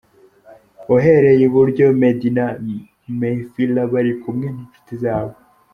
Uhereye i buryo Meddy na Mehfira bari kumwe n’inshuti zabo .